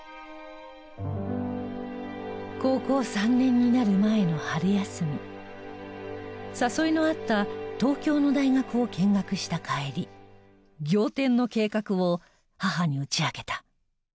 高校３年になる前の春休み誘いのあった東京の大学を見学した帰り仰天の計画を母に打ち明けた。